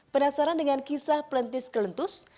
penasaran dengan kisah pelentis kelentus